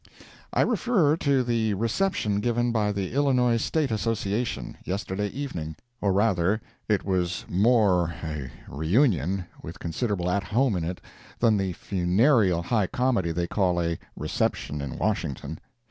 I refer to the reception given by the "Illinois State Association," yesterday evening. Or, rather, it was more a "reunion," with considerable "at home" in it than the funereal high comedy they call a "reception in Washington."